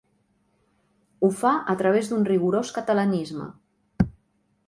Ho fa a través d'un rigorós catalanisme.